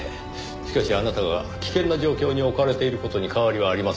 しかしあなたが危険な状況に置かれている事に変わりはありません。